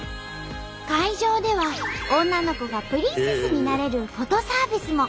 会場では女の子がプリンセスになれるフォトサービスも。